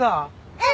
うん。